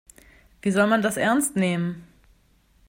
Wie soll man das ernst nehmen?